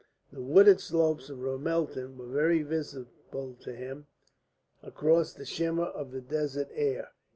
The wooded slopes of Ramelton were very visible to him across the shimmer of the desert air.